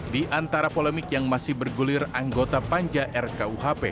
di antara polemik yang masih bergulir anggota panja rkuhp